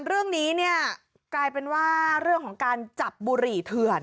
เรื่องนี้เนี่ยกลายเป็นว่าเรื่องของการจับบุหรี่เถื่อน